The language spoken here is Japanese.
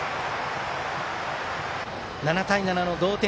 ７対７の同点。